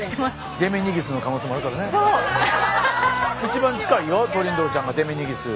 一番近いよトリンドルちゃんがデメニギス。